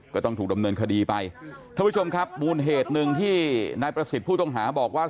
ก็ต้องถูกดำเนินคดีไปท่านผู้ชมครับมูลเหตุหนึ่งที่นายประสิทธิ์ผู้ต้องหาบอกว่า